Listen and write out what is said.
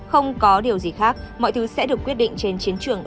không có điều gì khác mọi thứ sẽ được quyết định trên chiến trường